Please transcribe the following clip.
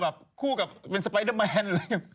แบบคู่กับเป็นสปรไตเตอร์แมน